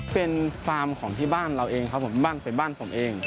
เป็นฟาร์มของที่บ้านเราเองครับผมบ้านเป็นบ้านผมเอง